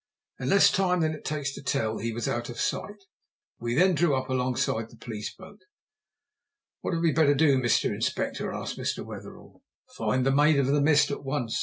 In less time than it takes to tell he was out of sight. We then drew up alongside the police boat. "What had we better do, Mr. Inspector?" asked Mr. Wetherell. "Find the Maid of the Mist at once.